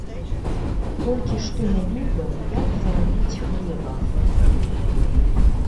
Толькі што не ведаў, як зарабіць хлеба!